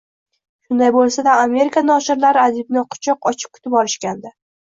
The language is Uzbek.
Shunday bo`lsa-da, Amerika noshirlari adibni quchoq ochib kutib olishgandi